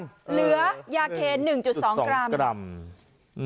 เหลือยาเคน๑๒กรัม